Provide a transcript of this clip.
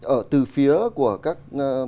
ở từ phía của các